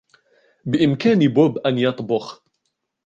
بإمكان بوب أن يطبخ.